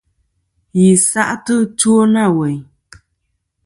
Yi sa'tɨ ɨtwo na weyn.